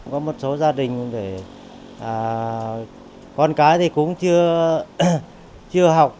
có một số gia đình con gái thì cũng chưa học